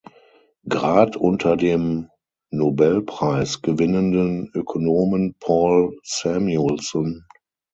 Grad unter dem Nobel-Preis gewinnenden Ökonomen Paul Samuelson.